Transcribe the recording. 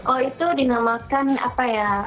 oh itu dinamakan apa ya